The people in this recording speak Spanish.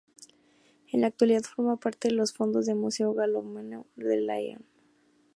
En la actualidad forma parte de los fondos del Museo Galo-Romano de Lyon.